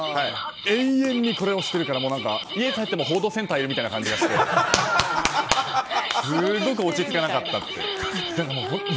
永遠にこれをしているから家に帰っても報道センターにいるみたいな気がしてすごく落ち着けなかった。